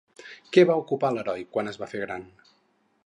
Què va ocupar l'heroi quan es va fer gran?